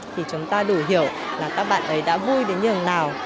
thì chúng ta đủ hiểu là các bạn ấy đã vui đến nhường nào